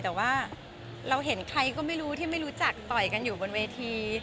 แต่ว่าเราเห็นใครก็ไม่รู้ที่ไม่รู้จักต่อยกันอยู่บนเวที